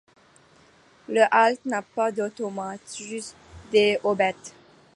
La halte n'a pas d'automates, juste des aubettes.